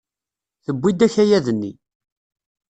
Tewwi-d akayad-nni.